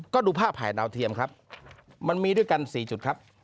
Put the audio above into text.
ก็ดูภาพถ่ายดาวเทียมครับมันมีด้วยกัน๔จุดครับ